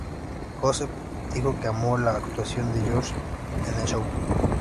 Joseph dijo que "amó" la actuación de Josh en el show.